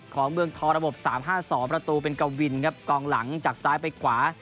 ของเมืองทอระบบ๓๕๒ประตูเป็นกวินครับกองหลังจากซ้ายไปขวา